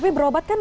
tapi berobat kan